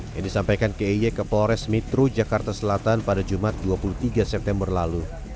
yang disampaikan key ke polres metro jakarta selatan pada jumat dua puluh tiga september lalu